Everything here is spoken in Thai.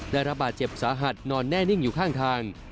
ได้รับบาดเจ็บสาหัสนอนแน่นิ่งอยู่ข้างทาง